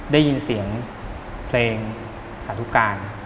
ได้ยินเสียงเพลงสาธุการ